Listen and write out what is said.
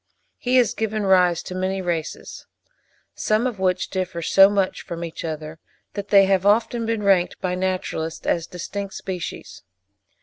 He has given rise to many races, some of which differ so much from each other, that they have often been ranked by naturalists as distinct species.